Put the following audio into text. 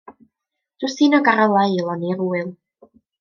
Dwsin o garolau i lonni'r Ŵyl.